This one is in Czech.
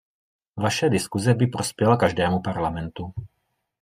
Vaše diskuse by prospěla každému parlamentu.